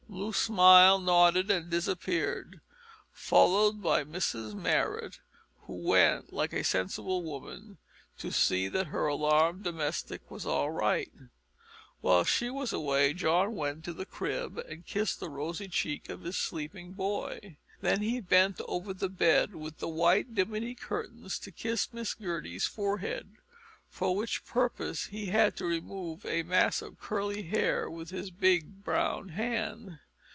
Loo smiled, nodded and disappeared, followed by Mrs Marrot, who went, like a sensible woman, to see that her alarmed domestic was all right. While she was away John went to the crib and kissed the rosy cheek of his sleeping boy. Then he bent over the bed with the white dimity curtains to Miss Gertie's forehead, for which purpose he had to remove a mass of curly hair with his big brown hand.